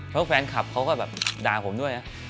เพราะแฟนคลับเขาก็แบบด่าผมด้วยนะ